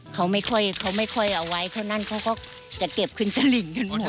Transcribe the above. เขาไม่ค่อยเอาไว้เพราะนั่นเขาก็จะเก็บขึ้นกระหลิงกันหมด